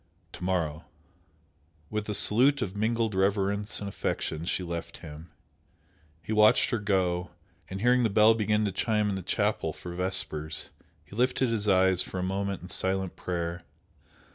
"To morrow!" With a salute of mingled reverence and affection she left him. He watched her go, and hearing the bell begin to chime in the chapel for vespers, he lifted his eyes for a moment in silent prayer.